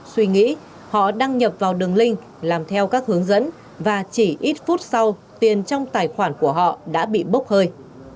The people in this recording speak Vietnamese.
suy nghĩ họ đăng nhập vào đường link làm theo các hướng dẫn và chỉ ít phút sau tiền trong tài khoản của họ đã bị bốc hơi